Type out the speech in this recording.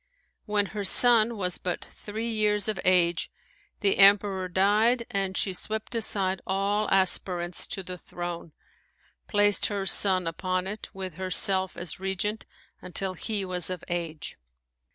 When her son was but three years of age the Emperor died and she swept aside all aspirants to the throne, placed her son upon it with herself as regent until he was of age.